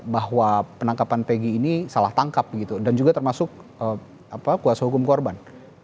bahwa penangkapan pegi ini salah tangkap begitu dan juga termasuk kuasa hukum korban